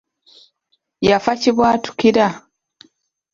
Yafa kibwatukira.